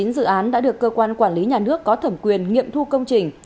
chín dự án đã được cơ quan quản lý nhà nước có thẩm quyền nghiệm thu công trình